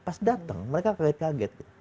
pas datang mereka kaget kaget gitu